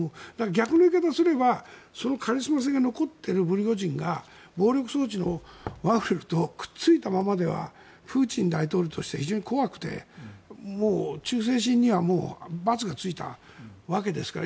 逆の言い方をすればそのカリスマ性が残っているプリゴジンが暴力装置のワグネルとくっついたままではプーチン大統領としては非常に怖くて忠誠心にはバツがついたわけですから。